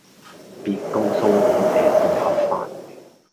別告訴我這是合法